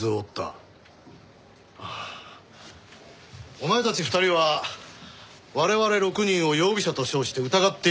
お前たち２人は我々６人を容疑者と称して疑っていると聞いた。